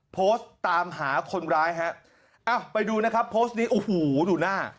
โพสต์ตามหาคนร้ายฮะอ้าวไปดูนะครับโพสต์นี้โอ้โหดูหน้า